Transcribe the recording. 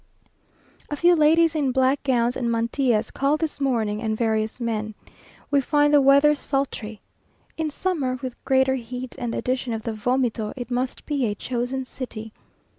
A few ladies in black gowns and mantillas called this morning, and various men. We find the weather sultry. In summer, with greater heat and the addition of the vomito, it must be a chosen city!